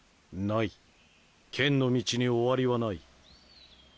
ない剣の道に終わりはない。